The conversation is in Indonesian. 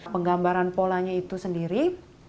penggambaran polanya itu sendiri